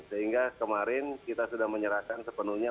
sehingga kemarin kita sudah menyerahkan sepenuhnya